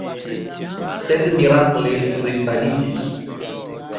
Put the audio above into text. Sed mirakle li resaniĝis.